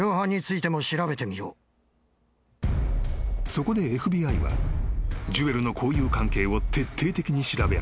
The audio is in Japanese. ［そこでＦＢＩはジュエルの交友関係を徹底的に調べ上げた］